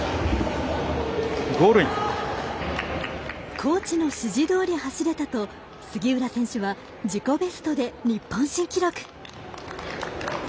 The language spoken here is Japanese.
コーチの指示どおり走れたと杉浦選手は自己ベストで日本新記録。